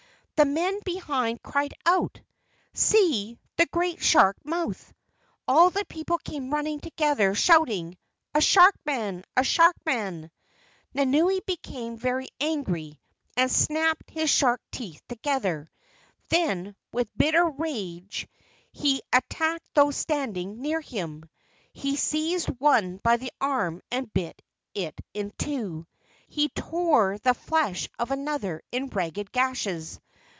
The men behind cried out, "See the great shark mouth!" All the people came running together, shouting, "A shark man!" "A shark man!" Nanaue became very angry and snapped his shark teeth together. Then with bitter rage he attacked those standing near him. He seized one by the arm and bit it in two. He tore the flesh of another in ragged gashes.